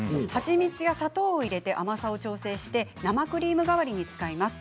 蜂蜜や砂糖を入れて甘さを調整して生クリーム代わりに使います。